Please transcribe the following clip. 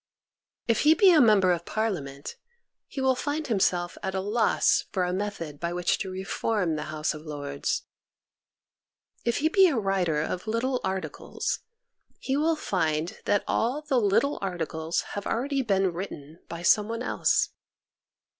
If he be a mem ber of Parliament he will find himself at a loss for a method by which to reform the House of Lords. If he be a writer of little articles he will find that all the little articles have already been written by some one else.